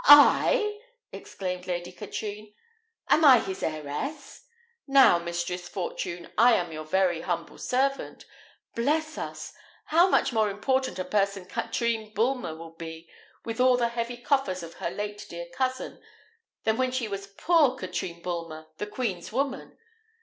"I!" exclaimed Lady Katrine; "am I his heiress? Now, Mistress Fortune, I am your very humble servant! Bless us! how much more important a person Katrine Bulmer will be, with all the heavy coffers of her late dear cousin, than when she was poor Katrine Bulmer, the queen's woman!